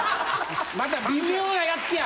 また微妙なやつや。